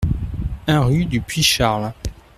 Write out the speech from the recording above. un rue du Puits Charles